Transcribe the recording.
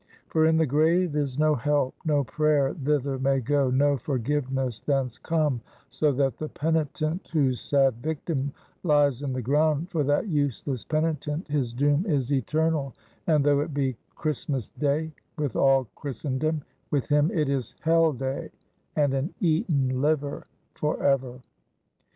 For in the grave is no help, no prayer thither may go, no forgiveness thence come; so that the penitent whose sad victim lies in the ground, for that useless penitent his doom is eternal, and though it be Christmas day with all Christendom, with him it is Hell day and an eaten liver forever.